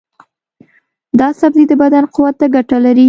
دا سبزی د بدن قوت ته ګټه لري.